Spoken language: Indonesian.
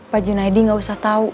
pak junaidi gak usah tau